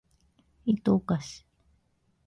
いとをかし